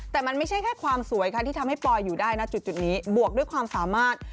แต่มันไม่ใช่แค่ความสวยค่ะที่ทำให้ปอยอยู่ได้นะจุดนี้บวกด้วยความสามารถ